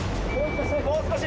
もう少し。